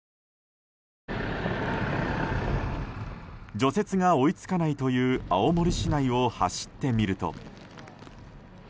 除雪が追いつかないという青森市内を走ってみると。